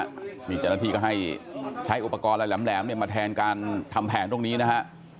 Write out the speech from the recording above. นี่เจ้าหน้าที่ก็ให้ใช้อุปกรณ์อะไรแหลมเนี่ยมาแทนการทำแผนตรงนี้นะฮะ